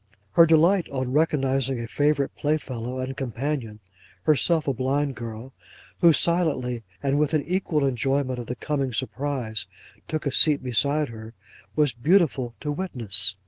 Her delight on recognising a favourite playfellow and companion—herself a blind girl—who silently, and with an equal enjoyment of the coming surprise, took a seat beside her, was beautiful to witness.